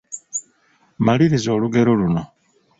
Maliriza olugero luno.